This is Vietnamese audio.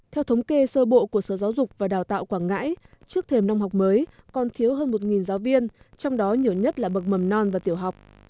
theo thống kê sơ bộ của sở giáo dục và đào tạo quảng ngãi trước thềm năm học mới còn thiếu hơn một giáo viên trong đó nhiều nhất là bậc mầm non và tiểu học